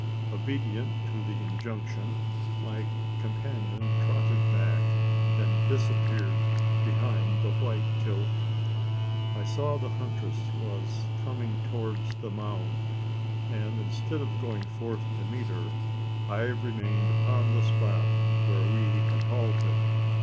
Obedient to the injunction, my companion trotted back, and disappeared behind the white tilt. I saw the huntress was coming towards the mound; and, instead of going forth to meet her, I remained upon the spot where we had halted.